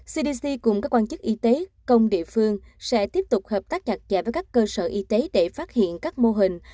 cdc cùng các quan chức y tế công địa phương sẽ tiếp tục hợp tác chặt chẽ với các cơ sở y tế để phát hiện các mô hình